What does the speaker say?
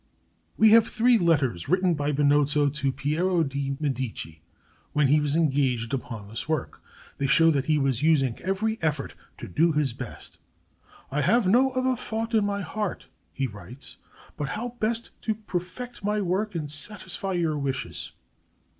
We have three letters written by Benozzo to Piero de' Medici when he was engaged upon this work. They show that he was using every effort to do his best. "I have no other thought in my heart," he writes, "but how best to perfect my work and satisfy your wishes."